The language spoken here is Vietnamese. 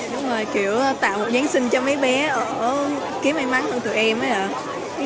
đúng rồi kiểu tạo một giáng sinh cho mấy bé kiếm may mắn hơn tụi em ấy ạ